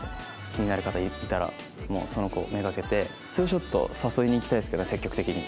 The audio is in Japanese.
気になる方いたらもうその子をめがけてツーショットを誘いにいきたいですけど積極的に。